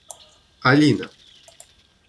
Алина